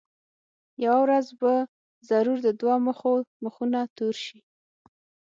یوه ورځ به ضرور د دوه مخو مخونه تور شي.